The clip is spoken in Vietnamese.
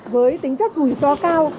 với tính chất rủi ro cao